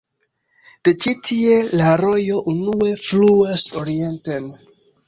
De ĉi-tie la rojo unue fluas orienten.